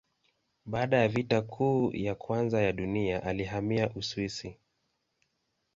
Baada ya Vita Kuu ya Kwanza ya Dunia alihamia Uswisi.